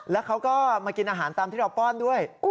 แล้วเขาก็มากินอาหารตามที่เราป้อนด้วย